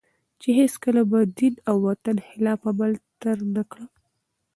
چي هیڅکله به د دین او وطن خلاف عمل تر نه کړم